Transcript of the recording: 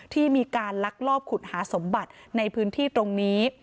ที่มีการลักลอบขุดหาสมบัติในพื้นที่ตรงนี้